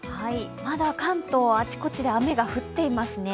まだ関東、あちこちで雨が降っていますね。